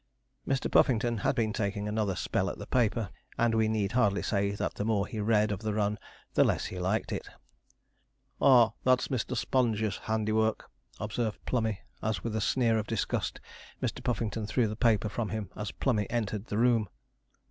Mr. Puffington had been taking another spell at the paper, and we need hardly say that the more he read of the run the less he liked it. 'Ah, that's Mr. Sponge's handiwork,' observed Plummey, as with a sneer of disgust Mr. Puffington threw the paper from him as Plummey entered the room.